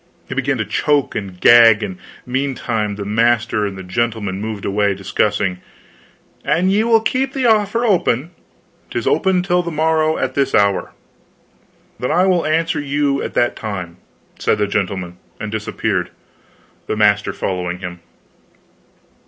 He began to choke and gag, and meantime the master and the gentleman moved away discussing. "An ye will keep the offer open " "'Tis open till the morrow at this hour." "Then I will answer you at that time," said the gentleman, and disappeared, the master following him.